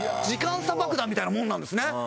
時間差爆弾みたいなもんなんですね。